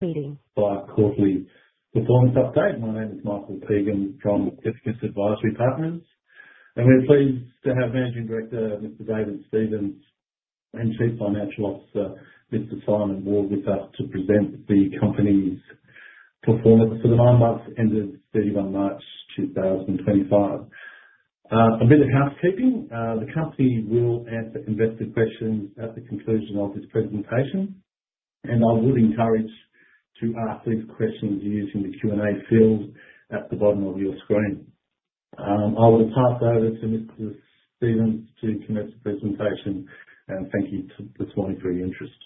Meeting. Quarterly. Performance update. My name is Michael Pagan from E&P Advisory Partners, and we're pleased to have Managing Director Mr. David Stevens and Chief Financial Officer Mr. Simon Ward with us to present the company's performance for the nine months ended 31 March 2025. A bit of housekeeping. The company will answer investor questions at the conclusion of this presentation, and I would encourage to ask these questions using the Q&A field at the bottom of your screen. I will pass over to Mr. Stevens to commence the presentation and thank you for the time for your interest.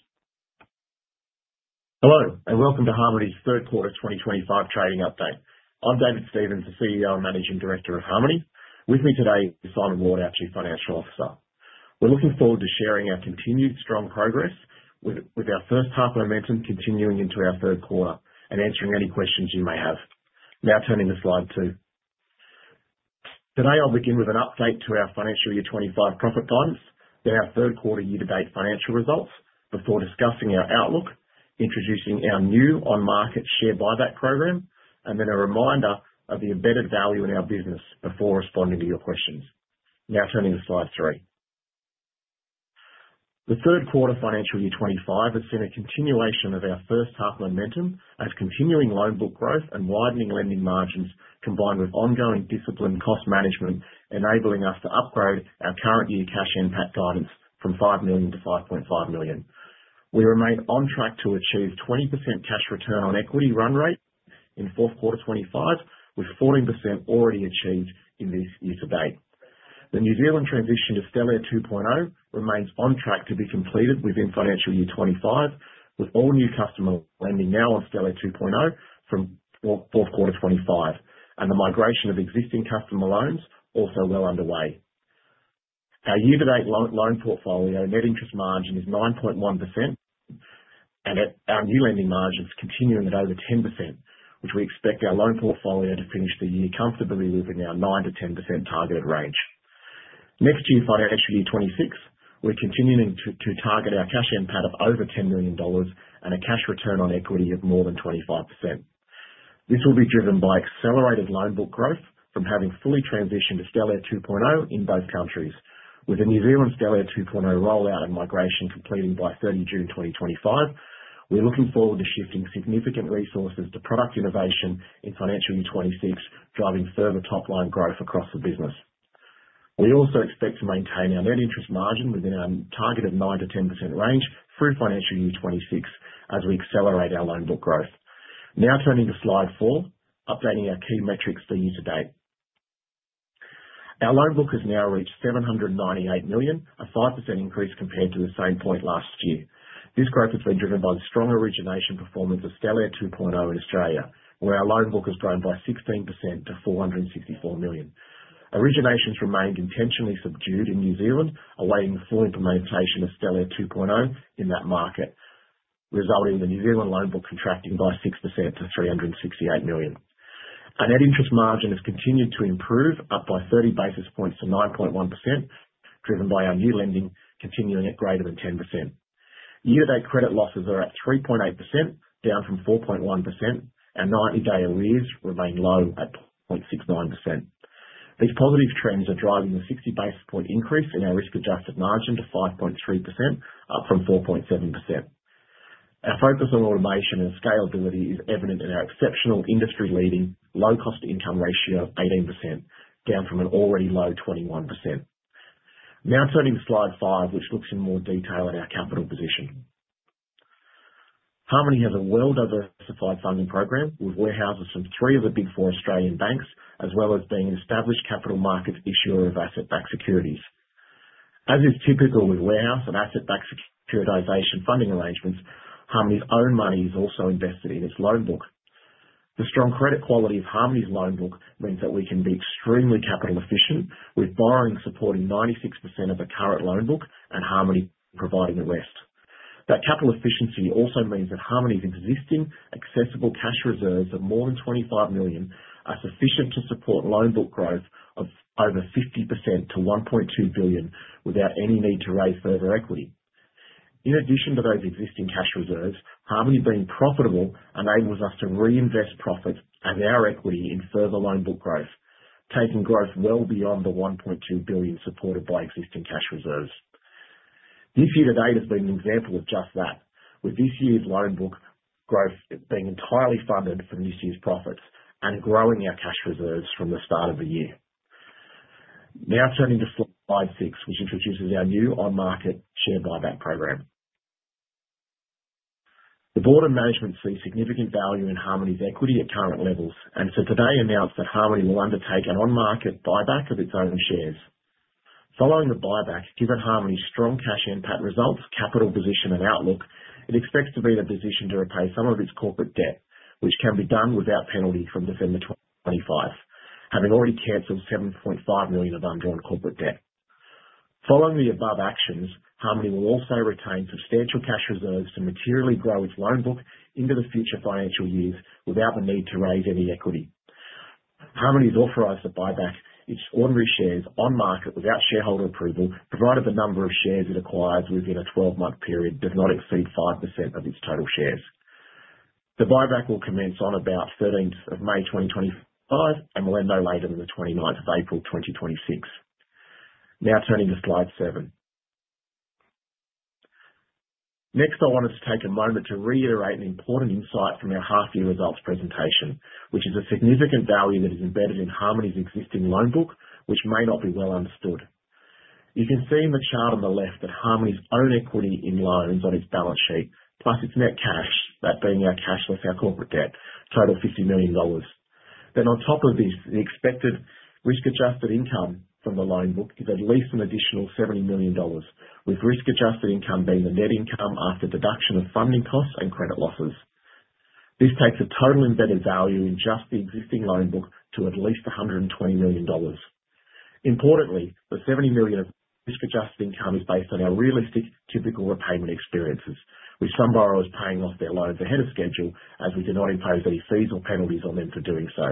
Hello, and welcome to Harmoney's third quarter 2025 trading update. I'm David Stevens, the CEO and Managing Director of Harmoney. With me today is Simon Ward, our Chief Financial Officer. We're looking forward to sharing our continued strong progress with our first half momentum continuing into our third quarter and answering any questions you may have. Today, I'll begin with an update to our financial year 2025 profit targets, then our third quarter year-to-date financial results before discussing our outlook, introducing our new on-market share buyback program, and then a reminder of the embedded value in our business before responding to your questions. Now turning the slide two. The third quarter financial year 25 has seen a continuation of our first half momentum as continuing loan book growth and widening lending margins combined with ongoing disciplined cost management enabling us to upgrade our current year Cash NPAT guidance from 5 million to 5.5 million. We remain on track to achieve 20% cash return on equity run rate in fourth quarter 25, with 14% already achieved in this year to date. The New Zealand transition to Stellare 2.0 remains on track to be completed within financial year 25, with all new customer lending now on Stellare 2.0 from fourth quarter 25, and the migration of existing customer loans also well underway. Our year-to-date loan portfolio net interest margin is 9.1%, and our new lending margins continuing at over 10%, which we expect our loan portfolio to finish the year comfortably within our 9%-10% targeted range. Next year, financial year 26, we're continuing to target our Cash NPAT of over 10 million dollars and a cash return on equity of more than 25%. This will be driven by accelerated loan book growth from having fully transitioned to Stellare 2.0 in both countries. With the New Zealand Stellare 2.0 rollout and migration completing by 30 June 2025, we're looking forward to shifting significant resources to product innovation in financial year 26, driving further top-line growth across the business. We also expect to maintain our net interest margin within our targeted 9%-10% range through financial year 26 as we accelerate our loan book growth. Now turning to slide four, updating our key metrics for year to date. Our loan book has now reached 798 million, a 5% increase compared to the same point last year. This growth has been driven by the strong origination performance of Stellare 2.0 in Australia, where our loan book has grown by 16% to 464 million. Originations remained intentionally subdued in New Zealand, awaiting the full implementation of Stellare 2.0 in that market, resulting in the New Zealand loan book contracting by 6% to 368 million. Our net interest margin has continued to improve, up by 30 basis points to 9.1%, driven by our new lending continuing at greater than 10%. Year-to-date credit losses are at 3.8%, down from 4.1%, and 90-day arrears remain low at 0.69%. These positive trends are driving the 60 basis point increase in our risk-adjusted margin to 5.3%, up from 4.7%. Our focus on automation and scalability is evident in our exceptional industry-leading cost-to-income ratio of 18%, down from an already low 21%. Now turning to slide five, which looks in more detail at our capital position. Harmoney has a well-diversified funding program with warehouses from three of the Big Four Australian banks, as well as being an established capital market issuer of asset-backed securities. As is typical with warehouse and asset-backed securitization funding arrangements, Harmoney's own money is also invested in its loan book. The strong credit quality of Harmoney's loan book means that we can be extremely capital efficient, with borrowing supporting 96% of the current loan book and Harmoney providing the rest. That capital efficiency also means that Harmoney's existing accessible cash reserves of more than 25 million are sufficient to support loan book growth of over 50% to 1.2 billion without any need to raise further equity. In addition to those existing cash reserves, Harmoney being profitable enables us to reinvest profits as our equity in further loan book growth, taking growth well beyond the 1.2 billion supported by existing cash reserves. This year to date has been an example of just that, with this year's loan book growth being entirely funded from this year's profits and growing our cash reserves from the start of the year. Now turning to slide six, which introduces our new on-market share buyback program. The board and management see significant value in Harmoney's equity at current levels and so today announced that Harmoney will undertake an on-market buyback of its own shares. Following the buyback, given Harmoney's strong Cash NPAT results, capital position, and outlook, it expects to be in a position to repay some of its corporate debt, which can be done without penalty from December 2025, having already canceled 7.5 million of undrawn corporate debt. Following the above actions, Harmoney will also retain substantial cash reserves to materially grow its loan book into the future financial years without the need to raise any equity. Harmoney is authorized to buy back its ordinary shares on-market without shareholder approval, provided the number of shares it acquires within a 12-month period does not exceed 5% of its total shares. The buyback will commence on about 13 May 2025 and will end no later than the 29th of April 2026. Now turning to slide seven. Next, I wanted to take a moment to reiterate an important insight from our half-year results presentation, which is a significant value that is embedded in Harmoney's existing loan book, which may not be well understood. You can see in the chart on the left that Harmoney's own equity in loans on its balance sheet, plus its net cash, that being our cash plus our corporate debt, total 50 million dollars. Then on top of this, the expected risk-adjusted income from the loan book is at least an additional 70 million dollars, with risk-adjusted income being the net income after deduction of funding costs and credit losses. This takes a total embedded value in just the existing loan book to at least 120 million dollars. Importantly, the 70 million of risk-adjusted income is based on our realistic typical repayment experiences, with some borrowers paying off their loans ahead of schedule as we do not impose any fees or penalties on them for doing so.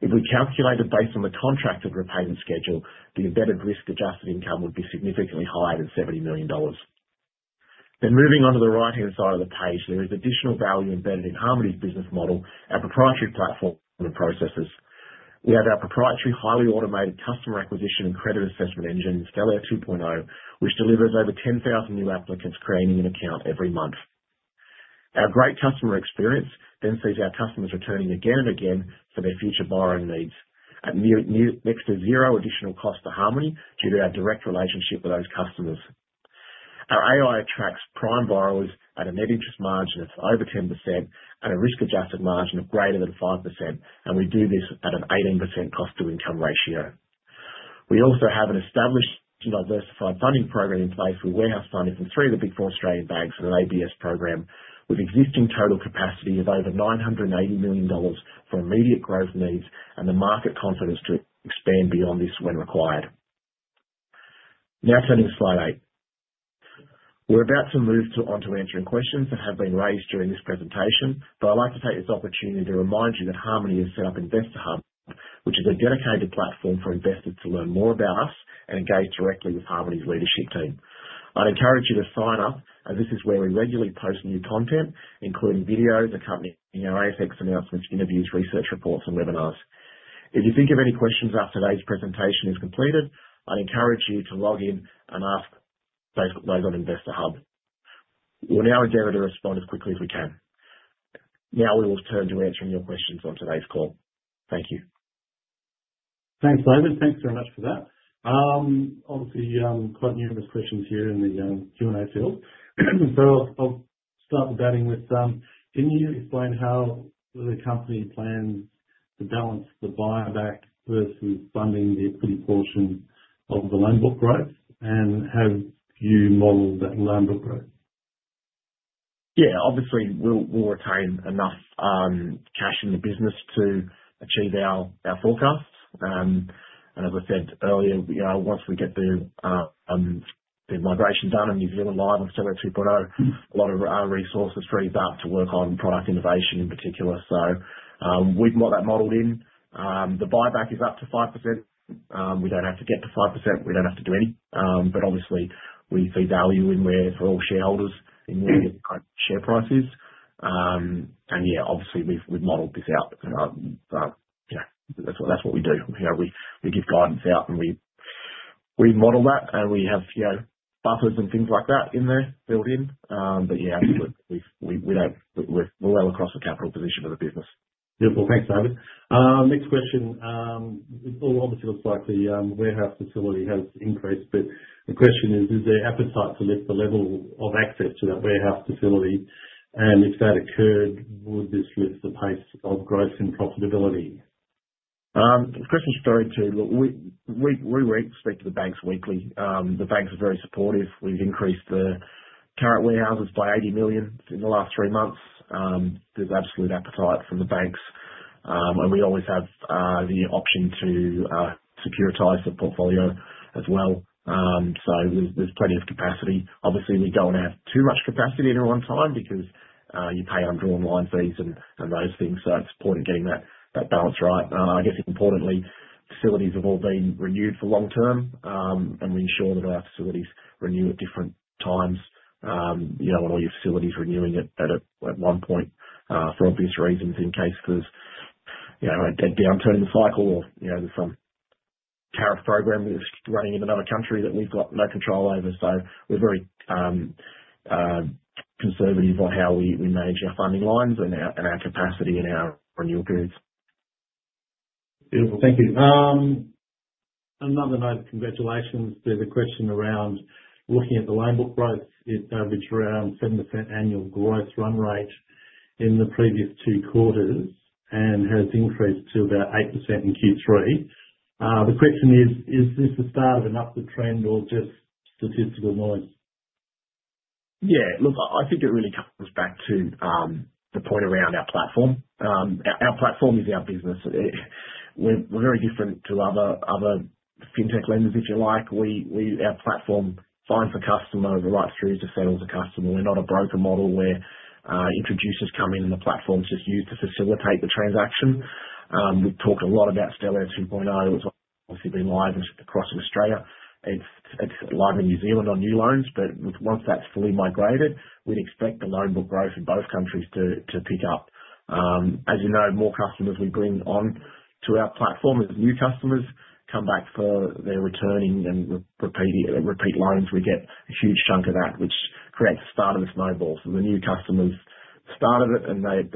If we calculate it based on the contracted repayment schedule, the embedded risk-adjusted income would be significantly higher than 70 million dollars. Then moving on to the right-hand side of the page, there is additional value embedded in Harmoney's business model, our proprietary platform and processes. We have our proprietary highly automated customer acquisition and credit assessment engine, Stellare 2.0, which delivers over 10,000 new applicants creating an account every month. Our great customer experience then sees our customers returning again and again for their future borrowing needs, at next to zero additional cost to Harmoney due to our direct relationship with those customers. Our AI attracts prime borrowers at a net interest margin of over 10% and a risk-adjusted margin of greater than 5%, and we do this at an 18% cost-to-income ratio. We also have an established and diversified funding program in place with warehouse funding from three of the big four Australian banks and an ABS program, with existing total capacity of over 980 million dollars for immediate growth needs and the market confidence to expand beyond this when required. Now turning to slide eight. We're about to move on to answering questions that have been raised during this presentation, but I'd like to take this opportunity to remind you that Harmoney has set up InvestorHub, which is a dedicated platform for investors to learn more about us and engage directly with Harmoney's leadership team. I'd encourage you to sign up, as this is where we regularly post new content, including videos accompanying our ASX announcements, interviews, research reports, and webinars. If you think of any questions after today's presentation is completed, I'd encourage you to log in and ask those on InvestorHub. We'll now endeavor to respond as quickly as we can. Now we will turn to answering your questions on today's call. Thank you. Thanks, David. Thanks very much for that. Obviously, quite numerous questions here in the Q&A field. So I'll start with that. Can you explain how the company plans to balance the buyback versus funding the equity portion of the loan book growth, and how you model that loan book growth? Yeah, obviously, we'll retain enough cash in the business to achieve our forecasts, and as I said earlier, once we get the migration done in New Zealand live on Stellare 2.0, a lot of our resources frees up to work on product innovation in particular, so we've got that modeled in. The buyback is up to 5%. We don't have to get to 5%. We don't have to do any, but obviously, we see value in where we are for all shareholders in the share price, and yeah, obviously, we've modeled this out. That's what we do. We give guidance out, and we model that, and we have buffers and things like that in there built in, but yeah, absolutely, we're well across the capital position of the business. Beautiful. Thanks, David. Next question. It obviously looks like the warehouse facility has increased, but the question is, is there appetite to lift the level of access to that warehouse facility? And if that occurred, would this lift the pace of growth and profitability? The question is very true. We speak to the banks weekly. The banks are very supportive. We've increased the current warehouses by 80 million in the last three months. There's absolute appetite from the banks, and we always have the option to securitize the portfolio as well. So there's plenty of capacity. Obviously, we don't have too much capacity in a runtime because you pay undrawn line fees and those things. So it's important getting that balance right. I guess importantly, facilities have all been renewed for long-term, and we ensure that our facilities renew at different times. When all your facilities are renewing at one point for obvious reasons, in case there's a deep downturn in the cycle or there's some tariff program running in another country that we've got no control over. We're very conservative on how we manage our funding lines and our capacity and our renewal periods. Beautiful. Thank you. Another note, congratulations. There's a question around looking at the loan book growth. It averaged around 7% annual growth run rate in the previous two quarters and has increased to about 8% in Q3. The question is, is this the start of an upward trend or just statistical noise? Yeah. Look, I think it really comes back to the point around our platform. Our platform is our business. We're very different to other fintech lenders, if you like. Our platform, fine for customer, right through to sales to customer. We're not a broker model where introducers come in, and the platform's just used to facilitate the transaction. We've talked a lot about Stellare 2.0. It's obviously been live across Australia. It's live in New Zealand on new loans. But once that's fully migrated, we'd expect the loan book growth in both countries to pick up. As you know, more customers we bring on to our platform as new customers come back for their returning and repeat loans, we get a huge chunk of that, which creates the start of a snowball. So the new customers started it, and it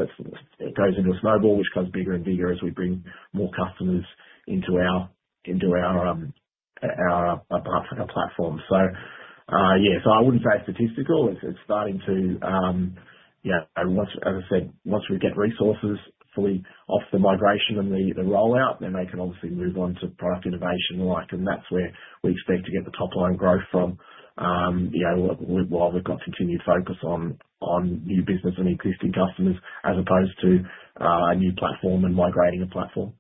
goes into a snowball, which goes bigger and bigger as we bring more customers into our platform. So yeah, so I wouldn't say statistical. It's starting to, as I said, once we get resources fully off the migration and the rollout, then they can obviously move on to product innovation. And that's where we expect to get the top line growth from while we've got continued focus on new business and existing customers, as opposed to a new platform and migrating a platform.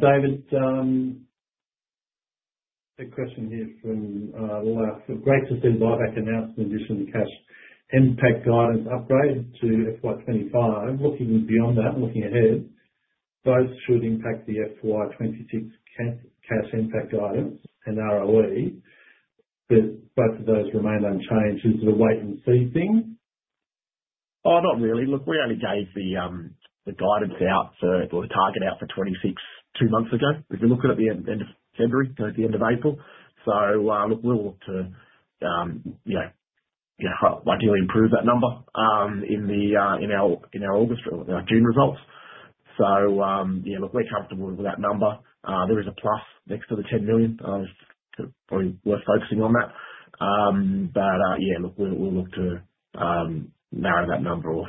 David, a question here from Les. Great to see the buyback announcement, additional Cash NPAT guidance upgrade to FY25. Looking beyond that and looking ahead, both should impact the FY26 Cash NPAT guidance and ROE. But both of those remain unchanged. Is it a wait-and-see thing? Oh, not really. Look, we only gave the guidance out or the target out for 2026 two months ago. We've been looking at the end of February, at the end of April. So look, we'll look to ideally improve that number in our August or our June results. So yeah, look, we're comfortable with that number. There is a plus next to the 10 million. It's probably worth focusing on that. But yeah, look, we'll look to narrow that number off,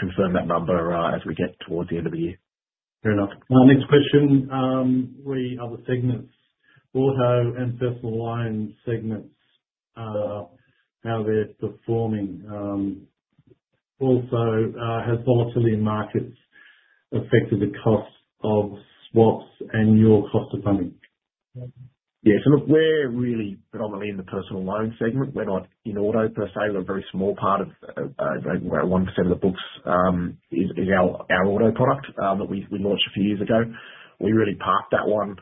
confirm that number as we get towards the end of the year. Fair enough. Next question. The other segments, auto and personal loan segments, how they're performing? Also, has volatility in markets affected the cost of swaps and your cost of funding? Yeah. So look, we're really predominantly in the personal loan segment. We're not in auto per se. We're a very small part of about 1% of the books is our auto product that we launched a few years ago. We really parked that one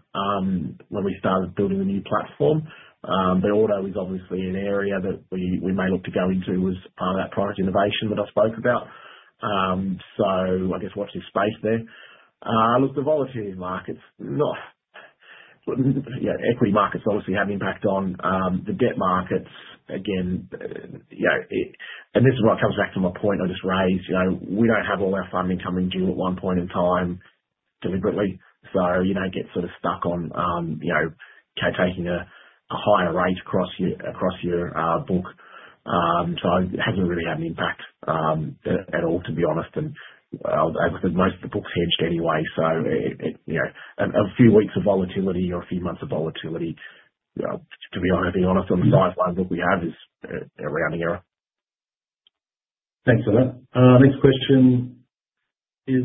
when we started building the new platform. But auto is obviously an area that we may look to go into as part of that product innovation that I spoke about. So I guess watching space there. Look, the volatility in markets, equity markets obviously have impact on the debt markets. Again, and this is what comes back to my point I just raised. We don't have all our funding coming due at one point in time deliberately. So you don't get sort of stuck on taking a higher rate across your book. So it hasn't really had an impact at all, to be honest. And as I said, most of the books hedged anyway. So a few weeks of volatility or a few months of volatility, to be honest, on the size of the loan book we have is a rounding error. Thanks for that. Next question is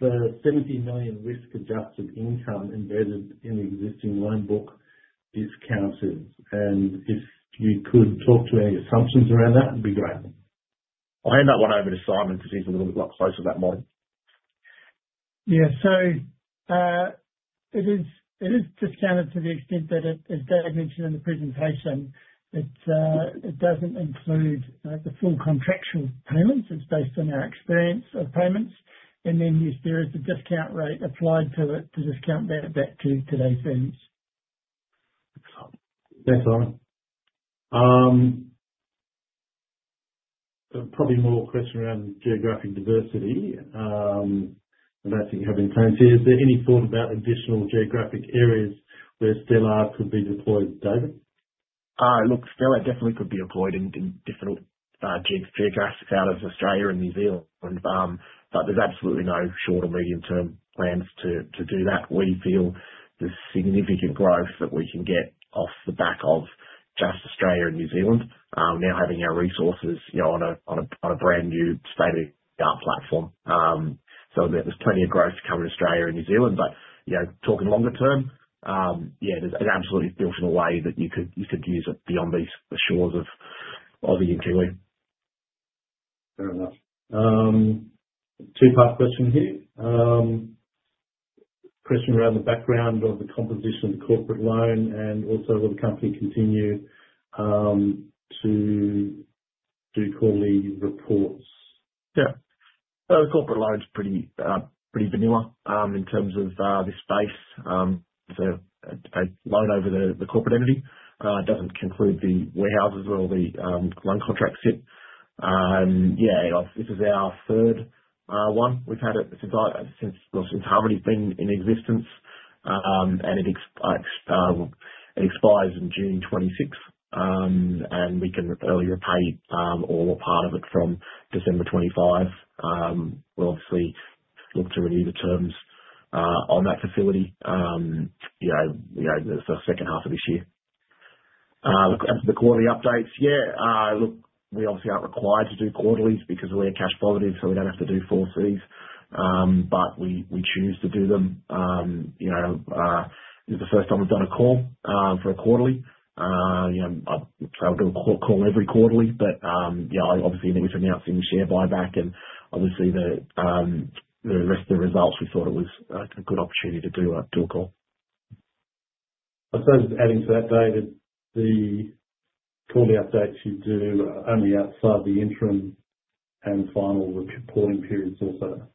the 70 million risk-adjusted income embedded in the existing loan book discounted. And if you could talk to any assumptions around that, it'd be great. I end up wanting to open it to Simon because he's a little bit closer to that model. Yeah. So it is discounted to the extent that, as David mentioned in the presentation, it doesn't include the full contractual payments. It's based on our experience of payments. And then there is a discount rate applied to it to discount that back to today's fees. Excellent. Probably more question around geographic diversity. I don't think you have any plans here. Is there any thought about additional geographic areas where Stellare could be deployed, David? Look, Stellare definitely could be employed in different geographies out of Australia and New Zealand. But there's absolutely no short or medium-term plans to do that. We feel the significant growth that we can get off the back of just Australia and New Zealand, now having our resources on a brand new state-of-the-art platform. So there's plenty of growth to come in Australia and New Zealand. But talking longer term, yeah, it's absolutely built in a way that you could use it beyond the shores of New Zealand. Fair enough. Two-part question here. Question around the background of the composition of the corporate loan and also will the company continue to do quarterly reports? Yeah. So the corporate loan's pretty vanilla in terms of the space. It's a loan over the corporate entity. It doesn't include the warehouses or the loan contract asset. Yeah. This is our third one. We've had it since Harmoney's been in existence. And it expires in June 2026. And we can early repay all or part of it from December 2025. We'll obviously look to renew the terms on that facility the second half of this year. Look, as for the quarterly updates, yeah, look, we obviously aren't required to do quarterlies because we're cash positive, so we don't have to do forecasts. But we choose to do them. This is the first time we've done a call for a quarterly. I'll do a call every quarterly. But yeah, obviously, with announcing the share buyback and obviously the rest of the results, we thought it was a good opportunity to do a call. I suppose adding to that, David, the quarterly updates you do only outside the interim and final reporting periods also.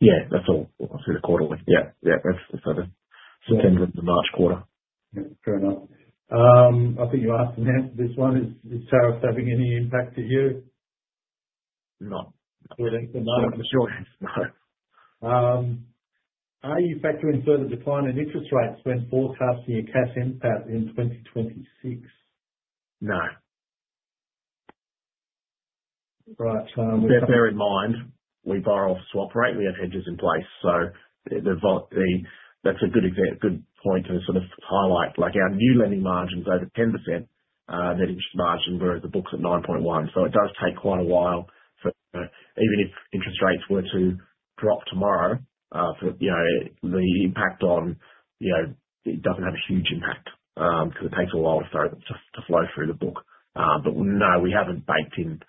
Yeah. That's all. Obviously, the quarterly. Yeah. Yeah. That's September to March quarter. Yeah. Fair enough. I think you've asked and answered this one. Is tariffs having any impact to you? No. Good answer. No. For sure. No. Are you factoring further decline in interest rates when forecasting your cash impact in 2026? No. Right. With that in mind, we borrow off the swap rate. We have hedges in place. So that's a good point to sort of highlight. Our new lending margin's over 10%. That interest margin for the book is at 9.1%. So it does take quite a while. Even if interest rates were to drop tomorrow, the impact on it doesn't have a huge impact because it takes a while to flow through the book. But no, we haven't baked in.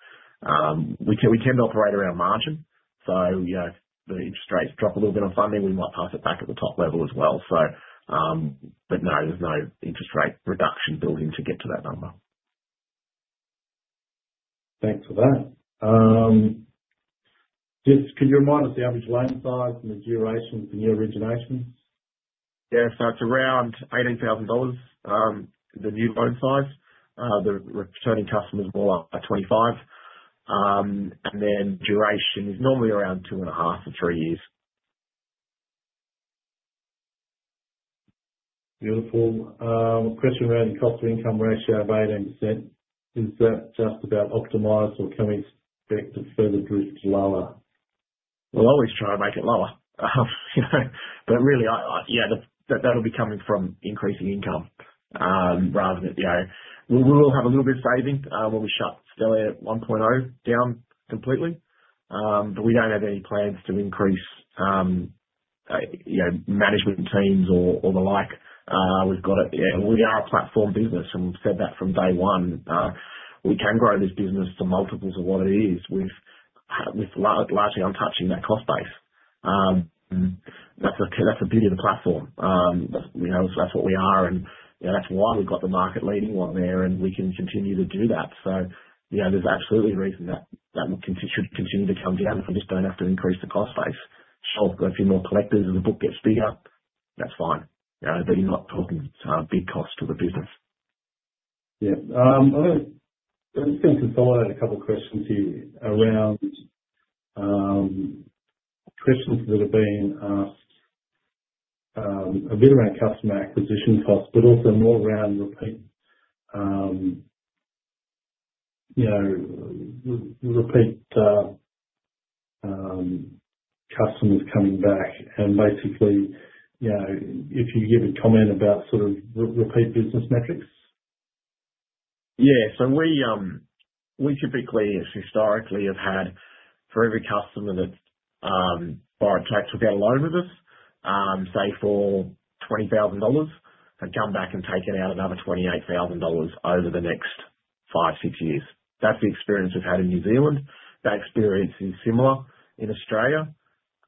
We tend to operate around margin. So if the interest rates drop a little bit on funding, we might pass it back at the top level as well. But no, there's no interest rate reduction building to get to that number. Thanks for that. Just could you remind us the average loan size and the durations and the originations? Yeah, so it's around 18,000 dollars, the new loan size. The returning customers are more like 25,000, and then duration is normally around two and a half to three years. Beautiful. Question around the cost-to-income ratio of 18%. Is that just about optimized or can we expect to further drift lower? We'll always try to make it lower, but really, yeah, that'll be coming from increasing income rather than we will have a little bit of saving when we shut Stellare 1.0 down completely, but we don't have any plans to increase management teams or the like. We are a platform business, and we've said that from day one. We can grow this business to multiples of what it is with largely untouched that cost base. That's the beauty of the platform. That's what we are. And that's why we've got the market-leading one there, and we can continue to do that, so there's absolutely a reason that should continue to come down if we just don't have to increase the cost base. Sure, if we're a few more collectors and the book gets bigger, that's fine, but you're not talking big costs to the business. Yeah. I was going to consolidate a couple of questions here around questions that have been asked a bit around customer acquisition costs, but also more around repeat customers coming back. And basically, if you give a comment about sort of repeat business metrics? Yeah, so we typically, historically, have had for every customer that borrowed, say, with our loan with us, say for 20,000 dollars, they come back and take out another 28,000 dollars over the next five, six years. That's the experience we've had in New Zealand. That experience is similar in Australia.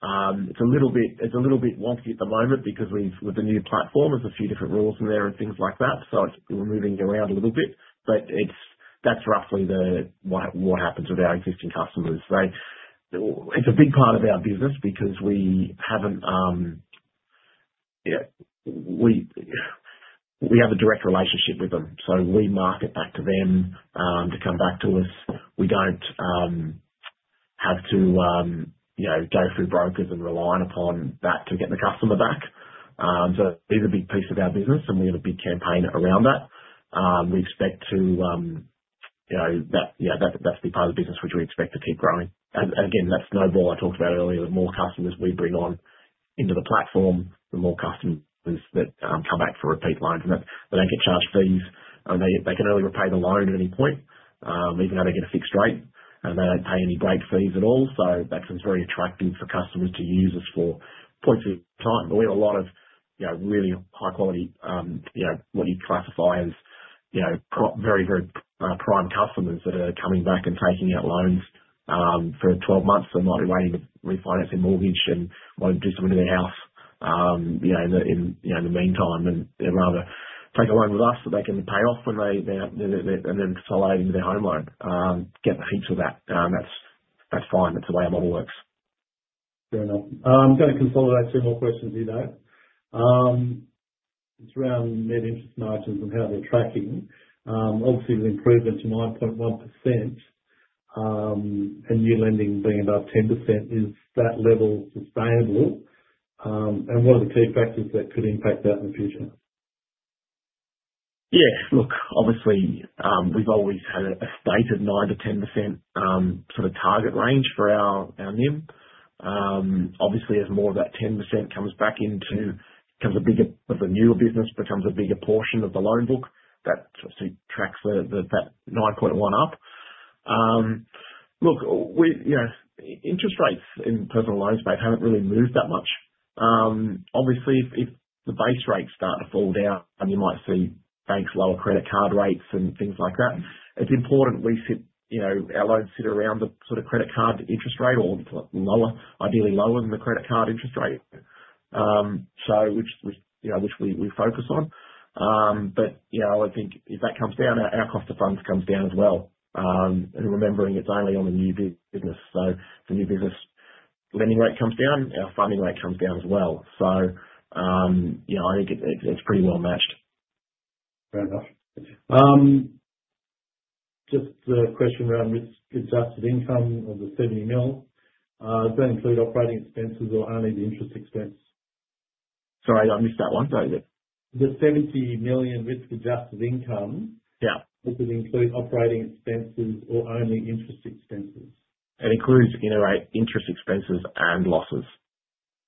It's a little bit wonky at the moment because with the new platform, there's a few different rules in there and things like that, so we're moving around a little bit, but that's roughly what happens with our existing customers. It's a big part of our business because we have a direct relationship with them, so we market back to them to come back to us. We don't have to go through brokers and relying upon that to get the customer back, so it is a big piece of our business, and we have a big campaign around that. We expect that's a big part of the business, which we expect to keep growing, and again, that snowball I talked about earlier, the more customers we bring on into the platform, the more customers that come back for repeat loans, and they don't get charged fees. They can only repay the loan at any point, even though they get a fixed rate, and they don't pay any break fees at all, so that's very attractive for customers to use us for points in time, but we have a lot of really high-quality, what you'd classify as very, very prime customers that are coming back and taking out loans for 12 months and might be waiting to refinance their mortgage and want to do something to their house in the meantime. They'd rather take a loan with us that they can pay off and then consolidate into their home loan. Get the heaps of that. That's fine. That's the way our model works. Fair enough. I'm going to consolidate two more questions here, though. It's around net interest margins and how they're tracking. Obviously, with improvement to 9.1% and new lending being about 10%, is that level sustainable? And what are the key factors that could impact that in the future? Yeah. Look, obviously, we've always had a stated 9%-10% sort of target range for our NIM. Obviously, as more of that 10% comes back into the newer business, becomes a bigger portion of the loan book, that tracks that 9.1% up. Look, interest rates in personal loans haven't really moved that much. Obviously, if the base rates start to fall down, you might see banks lower credit card rates and things like that. It's important our loans sit around the sort of credit card interest rate or ideally lower than the credit card interest rate, which we focus on. But I think if that comes down, our cost of funds comes down as well. And remembering, it's only on the new business. So if the new business lending rate comes down, our funding rate comes down as well. So I think it's pretty well matched. Fair enough. Just a question around risk-adjusted income of 70 million. Does that include operating expenses or only the interest expense? Sorry, I missed that one. The 70 million risk-adjusted income, does it include operating expenses or only interest expenses? It includes interest expenses and losses.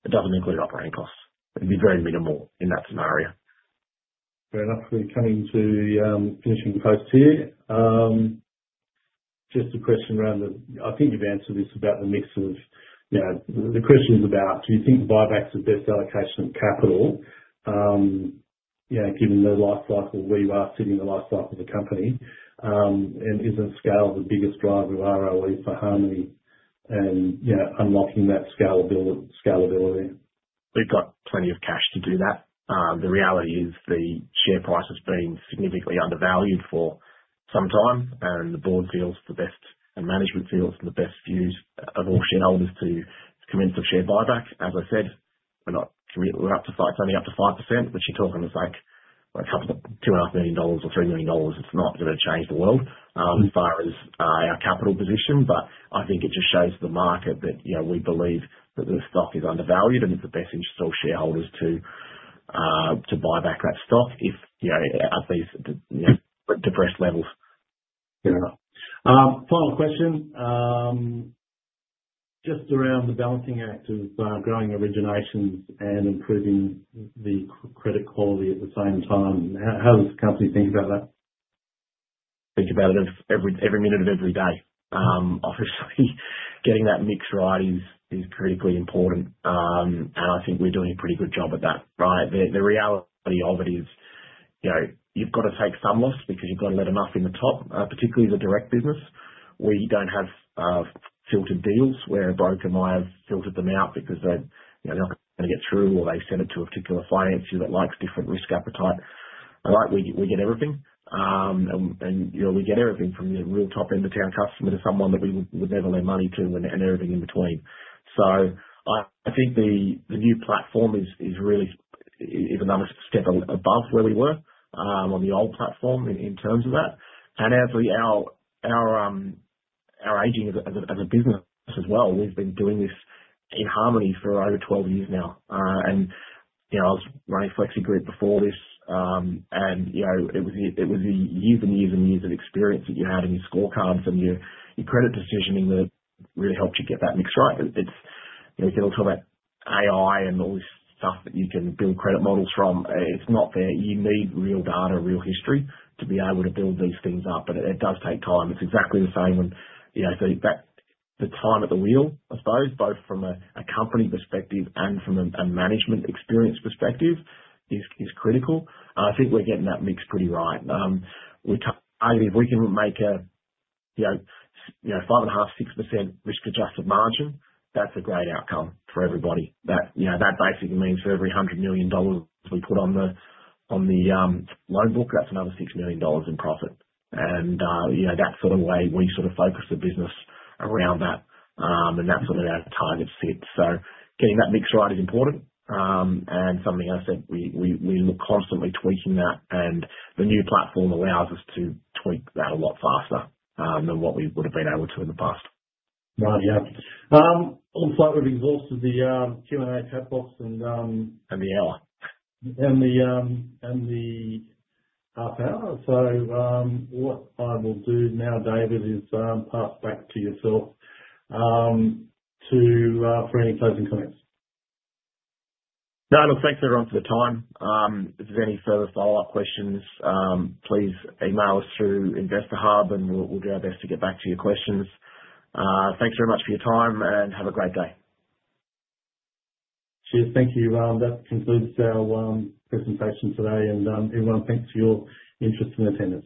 It doesn't include operating costs. It'd be very minimal in that scenario. Fair enough. We're coming to finishing the post here. Just a question around the I think you've answered this about the mix of the question is about, do you think buyback's the best allocation of capital given the life cycle we are sitting in, the life cycle of the company? And isn't scale the biggest driver of ROE for Harmoney and unlocking that scalability? We've got plenty of cash to do that. The reality is the share price has been significantly undervalued for some time. The board feels the best, and management feels the best use of all shareholders to commence a share buyback. As I said, we're up to only 5%, which you're talking about a couple of 2.5 million dollars or 3 million dollars. It's not going to change the world as far as our capital position. I think it just shows the market that we believe that the stock is undervalued and it's the best interest for all shareholders to buy back that stock at these depressed levels. Fair enough. Final question. Just around the balancing act of growing originations and improving the credit quality at the same time. How does the company think about that? Think about it every minute of every day. Obviously, getting that mix right is critically important, and I think we're doing a pretty good job at that. The reality of it is you've got to take some loss because you've got to let enough in the top, particularly the direct business. We don't have filtered deals where a broker might have filtered them out because they're not going to get through or they've sent it to a particular financier that likes different risk appetite. We get everything, and we get everything from the real top end of town customer to someone that we would never lend money to and everything in between, so I think the new platform is really even another step above where we were on the old platform in terms of that. And our aging as a business as well, we've been doing this in Harmoney for over 12 years now. And I was running FlexiGroup before this. And it was the years and years and years of experience that you had in your scorecards and your credit decisioning that really helped you get that mix right. You can all talk about AI and all this stuff that you can build credit models from. It's not there. You need real data, real history to be able to build these things up. But it does take time. It's exactly the same when the time at the wheel, I suppose, both from a company perspective and from a management experience perspective, is critical. And I think we're getting that mix pretty right. We can make a 5.5%-6% risk-adjusted margin. That's a great outcome for everybody. That basically means for every 100 million dollars we put on the loan book, that's another 6 million dollars in profit. And that's sort of the way we sort of focus the business around that. And that's where our target sits. So getting that mix right is important. And something I said, we look constantly tweaking that. And the new platform allows us to tweak that a lot faster than what we would have been able to in the past. Right. Yeah. Looks like we've exhausted the Q&A chat box and. And the hour. And the half hour. So what I will do now, David, is pass back to yourself for any closing comments. No. Thanks, everyone, for the time. If there's any further follow-up questions, please email us through InvestorHub, and we'll do our best to get back to your questions. Thanks very much for your time, and have a great day. Cheers. Thank you. That concludes our presentation today. And everyone, thanks for your interest and attention.